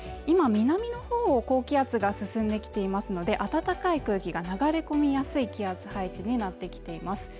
今南の高気圧が進んできていますので暖かい空気が流れ込みやすい気圧配置になってきています